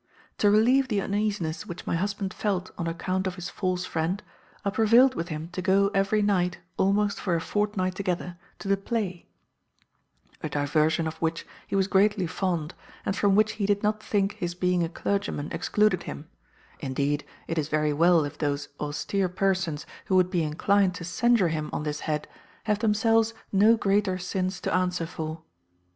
"To relieve the uneasiness which my husband felt on account of his false friend, I prevailed with him to go every night, almost for a fortnight together, to the play; a diversion of which he was greatly fond, and from which he did not think his being a clergyman excluded him; indeed, it is very well if those austere persons who would be inclined to censure him on this head have themselves no greater sins to answer for.